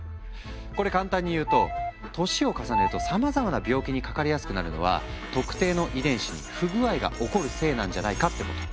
これ簡単に言うと年を重ねるとさまざまな病気にかかりやすくなるのは特定の遺伝子に不具合が起こるせいなんじゃないかってこと。